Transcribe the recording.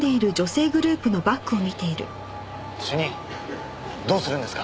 主任どうするんですか？